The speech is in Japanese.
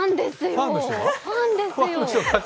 ファンですよ！